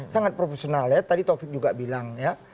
sangat profesional ya tadi taufik juga bilang ya